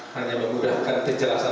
hanya memudahkan kejelasan saja